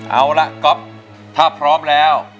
เอาละก๊อฟถ้าพร้อมแล้ว